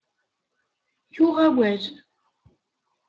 Yuɣ awal.